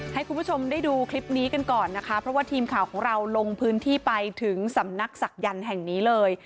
ให้คุณผู้ชมได้ดูคลิปนี้กันก่อนนะคะเพราะว่าทีมข่าวของเราลงพื้นที่ไปถึงสำนักศักยันต์แห่งนี้เลย